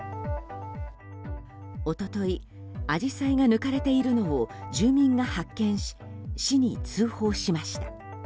一昨日、アジサイが抜かれているのを住民が発見し市に通報しました。